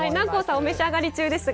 お召し上がり中ですが